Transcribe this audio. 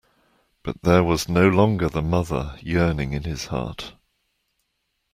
But there was no longer the mother yearning in his heart.